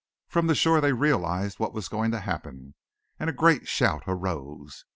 From the shore they realised what was going to happen, and a great shout arose.